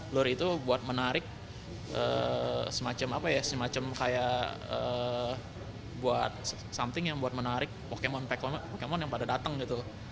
lure itu buat menarik semacam kayak buat something yang buat menarik pokemon yang pada datang gitu